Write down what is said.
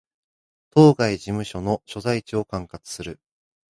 当該事務所の所在地を管轄する